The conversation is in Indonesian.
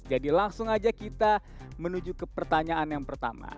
jadi langsung aja kita menuju ke pertanyaan yang pertama